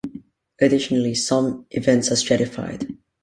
Additionally, some events are stratified.